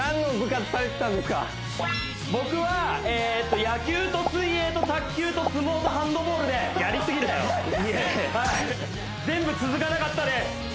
僕は野球と水泳と卓球と相撲とハンドボールでやりすぎだよはい全部続かなかったです